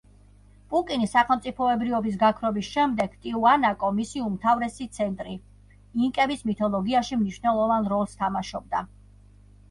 პუკინის სახელმწიფოებრიობის გაქრობის შემდეგ, ტიუანაკო, მისი უმთავრესი ცენტრი, ინკების მითოლოგიაში მნიშვნელოვან როლს თამაშობდა.